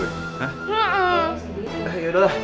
yaudah tuh taxi udah dateng